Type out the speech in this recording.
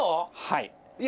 はい。